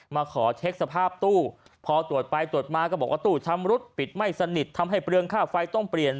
มาขอเช็คสภาพตู้พอตรวจไปตรวจมาก็บอกว่าตู้ชำรุดปิดไม่สนิททำให้เปลืองค่าไฟต้องเปลี่ยน